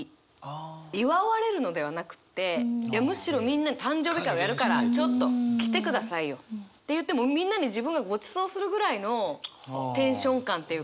祝われるのではなくってむしろみんなに誕生日会をやるからちょっと来てくださいよって言ってみんなに自分がごちそうするぐらいのテンション感っていうか。